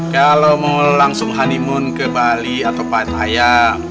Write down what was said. kalau mau langsung honeymoon ke bali atau pattaya